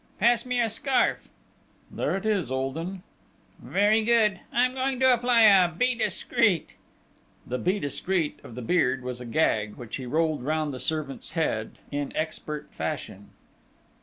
"Pass me a scarf!" "There it is, old 'un!" "Very good, I am going to apply a 'Be Discreet.'" The "Be Discreet" of the Beard was a gag, which he rolled round the servant's head in expert fashion.